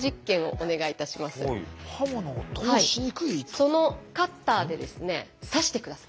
そのカッターでですね刺して下さい。